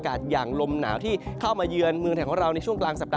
ประกาศอย่างลมหนาวที่เข้ามาเยือนเมืองแถงของเราสัปดาห์ที่ภาพวันกลางประมาณก่อน